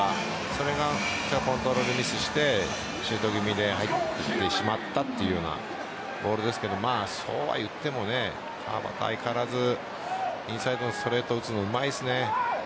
それがコントロールミスしてシュート気味で入ってしまったというようなボールですがそうはいっても川端は相変わらずインサイドのストレート打つのうまいですね。